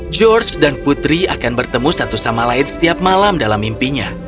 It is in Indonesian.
george dan putri akan bertemu satu sama lain setiap malam dalam mimpinya